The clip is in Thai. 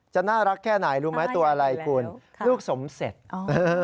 จะน่ารักแค่ไหนรู้ไหมตัวอะไรคุณลูกสมเสดครับ